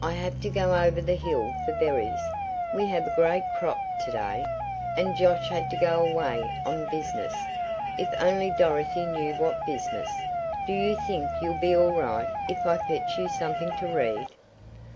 "I have to go over the hill for berries we have a great crop to day, and Josh had to go away on business." If only Dorothy knew what business! "Do you think you'll be all right if I fetch you something to read?"